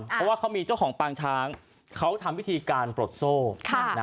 เพราะว่าเขามีเจ้าของปางช้างเขาทำวิธีการปลดโซ่